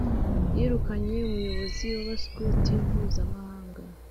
yirukanye umuyobozi wabaskuti mpuzamahanga